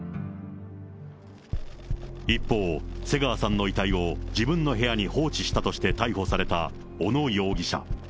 一方、瀬川さんの遺体を自分の部屋に放置したとして逮捕された小野容疑者。